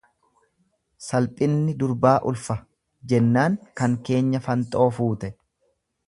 """Salphinni durbaa ulfa"" jennaan kan keenya fanxoo fuute."